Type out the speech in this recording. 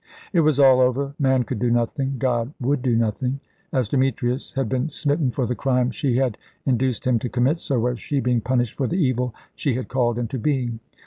It was all over. Man could do nothing; God would do nothing. As Demetrius had been smitten for the crime she had induced him to commit, so was she being punished for the evil she had called into being.